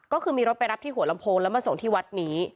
ก็คือมีรถไปรับที่หัวลำโพงแล้วมาส่งที่วัดนี้